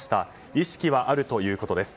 意識はあるということです。